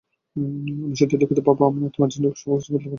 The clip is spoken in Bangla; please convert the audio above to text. আমি সত্যিই দুঃখিত বাবা, আমি তোমার জন্য কিছুই করতে পারলাম না।